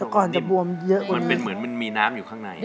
ก่อนจะบวมเยอะมันเป็นเหมือนมีน้ำอยู่ข้างใน